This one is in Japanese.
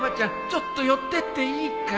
ちょっと寄ってっていいか？